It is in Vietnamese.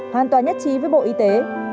hoàn toàn nhất trí với bộ y tế